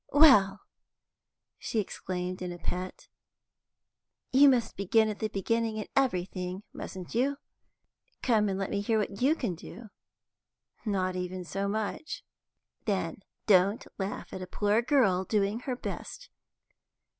"Well," she exclaimed, in a pet, "you must begin at the beginning in everything, mustn't you? Come and let me hear what you can do." "Not even so much." "Then don't laugh at a poor girl doing her best.